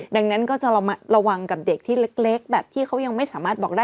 ดังนั้นก็จะระวังกับเด็กที่เล็กแบบที่เขายังไม่สามารถบอกได้